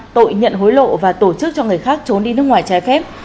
tội nhận hối lộ và tổ chức cho người khác trốn đi nước ngoài trái phép